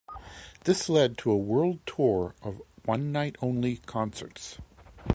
This led to a world tour of "One Night Only" concerts.